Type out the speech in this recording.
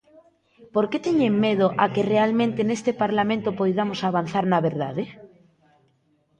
¿Por que teñen medo a que realmente neste Parlamento poidamos avanzar na verdade?